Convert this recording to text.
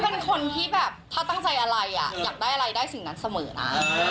เป็นคนที่แบบถ้าตั้งใจอะไรอยากได้อะไรได้สิ่งนั้นเสมอนะ